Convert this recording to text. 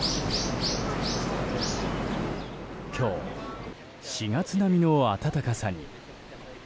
今日、４月並みの暖かさに。